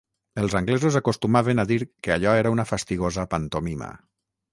Els anglesos acostumaven a dir que allò era una fastigosa pantomima